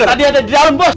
tadi ada di dalam bos